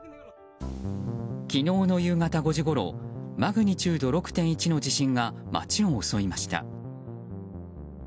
昨日の夕方５時ごろマグニチュード６．１の地震が町を襲いました。